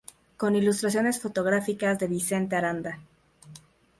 Con ilustraciones fotográficas de Vicente Aranda.